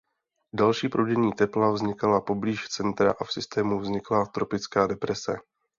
Další proudění tepla vznikala poblíž centra a v systému vznikla tropická deprese.